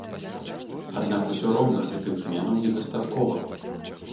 Аднак усё роўна гэтых зменаў недастаткова.